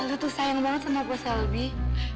allah itu sayang banget sama pak selby